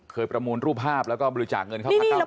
ประมูลรูปภาพแล้วก็บริจาคเงินเข้าพักเก้าไ